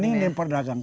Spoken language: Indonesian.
ini yang diperdagangkan